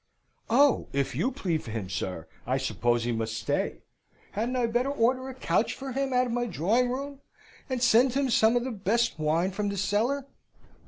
"Oh! if you plead for him, sir, I suppose he must stay. Hadn't I better order a couch for him out of my drawing room, and send him some of the best wine from the cellar?"